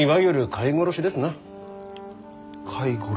飼い殺し。